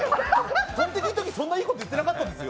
とんテキのときそんないいこと言ってなかったですよ。